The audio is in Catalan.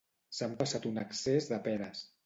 S'ha empassat un excés de peres?